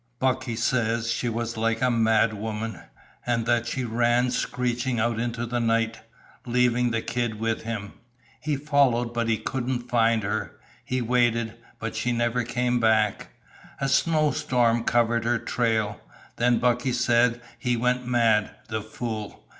Bucky says she was like a mad woman, and that she ran screeching out into the night, leaving the kid with him. He followed but he couldn't find her. He waited, but she never came back. A snow storm covered her trail. Then Bucky says he went mad the fool!